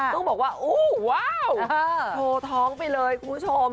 ต้องบอกว่าอู้ว้าวโชว์ท้องไปเลยคุณผู้ชม